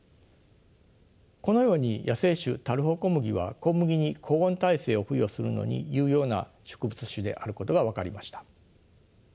このように野生種タルホコムギは小麦に高温耐性を付与するのに有用な植物種であることが分かりました。